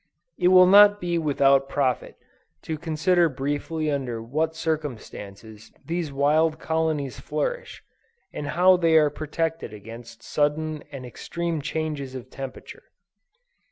It will not be without profit, to consider briefly under what circumstances these wild colonies flourish, and how they are protected against sudden and extreme changes of temperature.